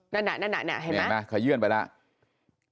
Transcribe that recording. นั่นเห็นไหมเขาเยื่อนไปแล้ว